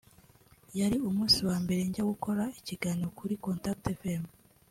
yari umunsi wa mbere njya gukora ikiganiro kuri Contact Fm